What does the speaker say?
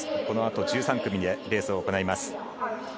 このあと１３組でレースを行います。